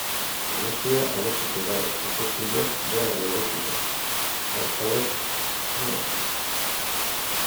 Prozesua adostuta dago hauteskundeak iragarri aurretik ere, Partalek dioenez.